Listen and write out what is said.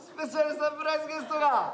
サプライズゲストが！